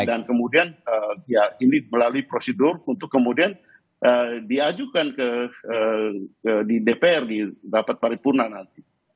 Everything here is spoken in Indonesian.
dan kemudian melalui prosedur untuk kemudian diajukan ke dpr di dapet paripurna nanti